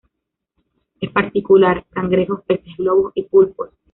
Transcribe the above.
En particular cangrejos, peces globo y pulpos.